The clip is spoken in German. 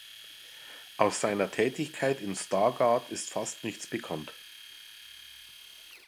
Aus seiner Tätigkeit in Stargard ist fast nichts bekannt.